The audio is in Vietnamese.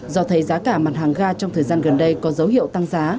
do thấy giá cả mặt hàng ga trong thời gian gần đây có dấu hiệu tăng giá